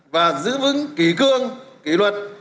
và giữ vững kỳ cương kỳ luật